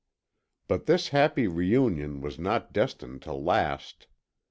But this happy reunion was not destined to last.